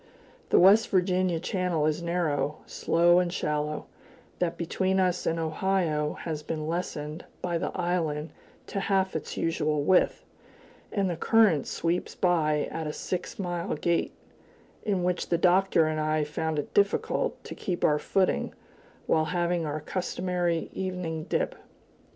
The West Virginia channel is narrow, slow and shallow; that between us and Ohio has been lessened by the island to half its usual width, and the current sweeps by at a six mile gait, in which the Doctor and I found it difficult to keep our footing while having our customary evening dip.